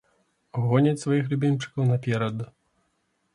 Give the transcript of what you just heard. Гоняць сваіх любімчыкаў наперад.